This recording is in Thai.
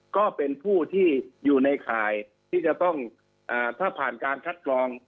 ก็เป็นผู้ที่อยู่ในข่ายที่จะต้องถ้าผ่านการคัดกรอง